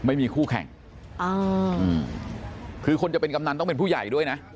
ไม่มีคู่แข่งอ่าคือคนจะเป็นกำนันต้องเป็นผู้ใหญ่ด้วยนะ